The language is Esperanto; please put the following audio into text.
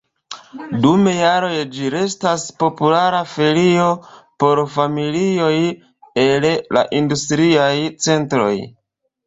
Dum jaroj ĝi restas populara feriejo por familioj el la industriaj centroj.